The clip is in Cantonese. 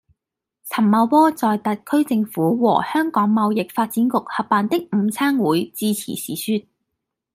陳茂波在特區政府和香港貿易發展局合辦的午餐會致辭時說